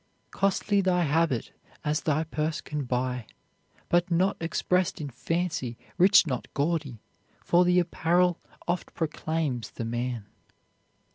Costly thy habit as thy purse can buy, But not expressed in fancy; rich not gaudy; For the apparel oft proclaims the man.